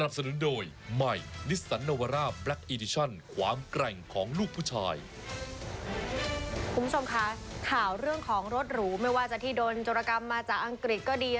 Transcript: คุณผู้ชมคะข่าวเรื่องของรถหรูไม่ว่าจะที่โดนโจรกรรมมาจากอังกฤษก็ดี